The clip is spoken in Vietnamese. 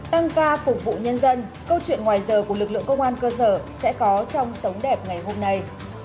tăng ca phục vụ nhân dân câu chuyện ngoài giờ của lực lượng công an cơ sở sẽ có trong sống đẹp ngày hôm nay